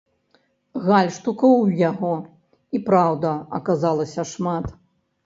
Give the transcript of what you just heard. Гальштукаў ў яго і праўда аказалася шмат.